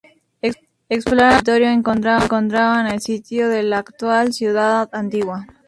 Explorando el territorio encontraron el sitio de la actual Ciudad Antigua.